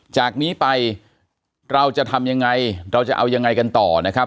จากนี้ไปเราจะทำยังไงเราจะเอายังไงกันต่อนะครับ